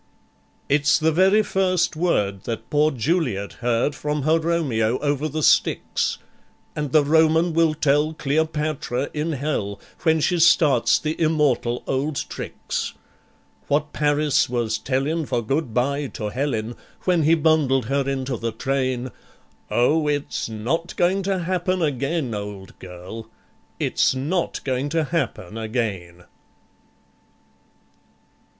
It's the very first word that poor Juliet heard From her Romeo over the Styx; And the Roman will tell Cleopatra in hell When she starts her immortal old tricks; What Paris was tellin' for good bye to Helen When he bundled her into the train Oh, it's not going to happen again, old girl, It's not going to happen again.